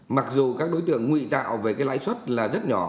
mặc dù các đối tượng nguy tạo về cái lãi suất là rất nhỏ